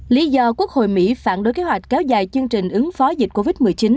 lý do quốc hội mỹ phản đối kế hoạch kéo dài chương trình ứng phó dịch covid một mươi chín